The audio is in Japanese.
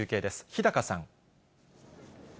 日高さん。